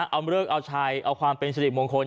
เอาเลิกเอาชัยเอาความเป็นสิริมงคล